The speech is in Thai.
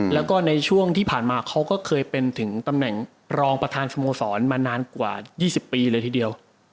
แล้วก็ในช่วงที่ผ่านมาเขาก็เคยเป็นถึงตำแหน่งรองประธานสโมสรมานานกว่า๒๐ปีเลยทีเดียว